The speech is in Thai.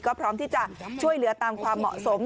ก็พร้อมที่จะช่วยเหลือตามความเหมาะสม